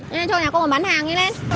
nên cho nhà con bán hàng đi lên